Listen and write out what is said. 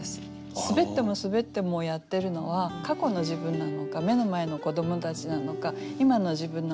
すべってもすべってもやってるのは過去の自分なのか目の前の子どもたちなのか今の自分なのか